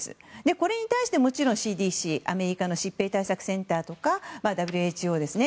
これに対してＣＤＣ・アメリカ疾病対策センターとかＷＨＯですよね。